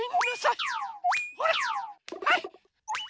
はい！